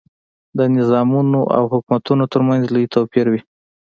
د نظامونو او حکومتونو ترمنځ لوی توپیر وي.